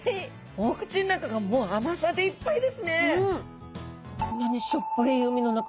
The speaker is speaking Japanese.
お口の中がもう甘さでいっぱいですね。